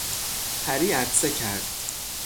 پری عطسه کرد.